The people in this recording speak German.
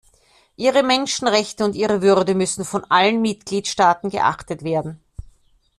Ihre Menschrechte und ihre Würde müssen von allen Mitgliedstaaten geachtet werden.